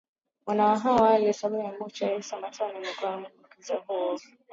Mwanahawa Ali Sabaha Muchaco Issa Matona ni mwa manguli wa mziki huo